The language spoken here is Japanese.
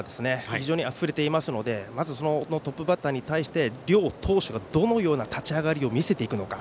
非常に振れていますのでそのトップバッターに対して両投手が、どのような立ち上がりを見せていくのか。